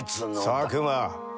佐久間。